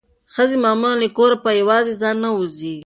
ښځې معمولا له کوره په یوازې ځان نه وځي.